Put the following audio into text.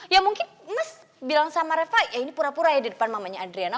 ya mungkin mas bilang sama reva ya ini pura pura ya di depan mamanya adriana